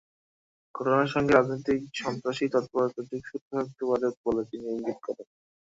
ঘটনার সঙ্গে রাজনৈতিক সন্ত্রাসী তৎপরতার যোগসূত্র থাকতে পারে বলেও তিনি ইঙ্গিত করেন।